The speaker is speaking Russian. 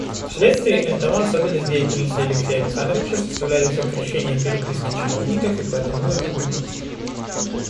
Вследствие этого особенность деятельности Алексея Александровича составляли сокращение переписки чиновников и потому экономность.